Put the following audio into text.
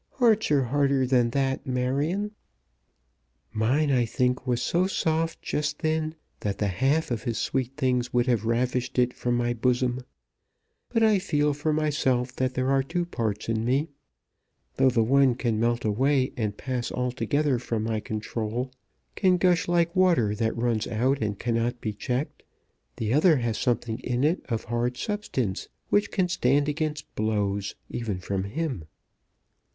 "Hearts are harder than that, Marion." "Mine, I think, was so soft just then that the half of his sweet things would have ravished it from my bosom. But I feel for myself that there are two parts in me. Though the one can melt away, and pass altogether from my control, can gush like water that runs out and cannot be checked, the other has something in it of hard substance which can stand against blows, even from him."